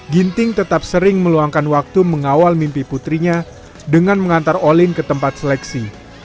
ginting tetap sering meluangkan waktu mengawal mimpi putrinya dengan mengantar olin ke tempat seleksi